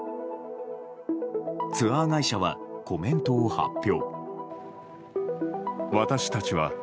ツアー会社はコメントを発表。